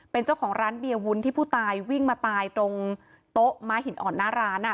เป็นเจ้าของร้านเบียร์วุ้นที่ผู้ตายวิ่งมาตายตรงโต๊ะม้าหินอ่อนหน้าร้าน